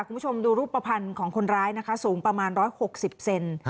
คุณผู้ชมดูรูปภัณฑ์ของคนร้ายนะคะสูงประมาณ๑๖๐เซน